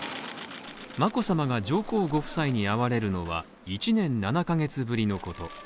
眞子さまが上皇ご夫妻に会われるのは１年６カ月ぶりのこと。